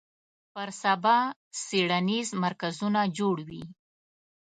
پر سبا څېړنیز مرکزونه جوړ وي